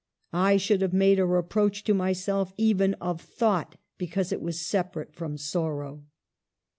I should have made a reproach to myself even of thought, because it was separate from sor row."